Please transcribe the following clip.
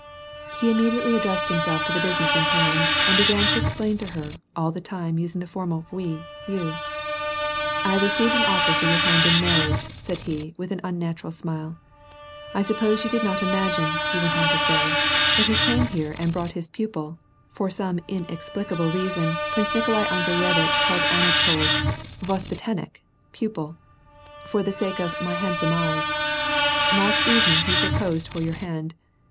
He immediately addressed himself to the business in hand, and began to explain it to her, all the time using the formal vui, you. " I have received an offer for your hand in marriage," said he, with an unnatural smile. "I suppose you did not im agine," he went on to say, "that he came here and brought his pupil" — for some inexplicable reason, Prince Nikolai Andreyevitch called Anatol vospttannik, pupil — "for the sake of ' my handsome eyes.' Last evening he proposed for your hand.